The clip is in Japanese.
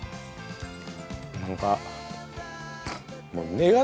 何か。